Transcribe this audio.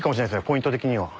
ポイント的には。